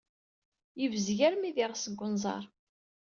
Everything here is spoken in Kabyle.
Yebzeg armi d iɣes seg unẓar.